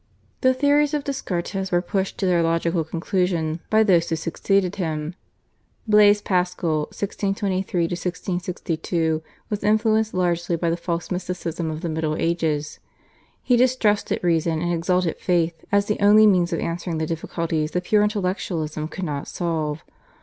The theories of Descartes were pushed to their logical conclusion by those who succeeded him. /Blaise Pascal/ (1623 1662) was influenced largely by the false mysticism of the Middle Ages. He distrusted reason and exalted faith, as the only means of answering the difficulties that pure intellectualism could not solve.